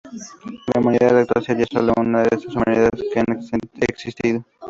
La humanidad actual sería sólo una de estas humanidades que han existido.